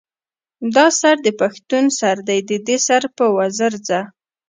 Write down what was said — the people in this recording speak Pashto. دا سر د پښتون سر دے ددې سر پۀ وزر څۀ